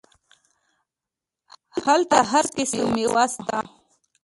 هلته هر قسم ميوه سته.